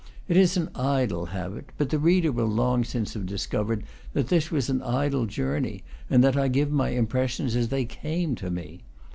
It is an idle habit; but the reader will long since have dis covered that this was an idle journey, and that I give my impressions as they came to me.